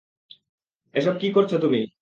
এসব কী করছো তুমি?